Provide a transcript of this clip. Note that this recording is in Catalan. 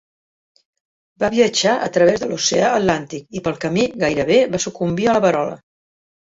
Va viatjar a través de l'Oceà Atlàntic i pel camí gairebé va sucumbir a la verola.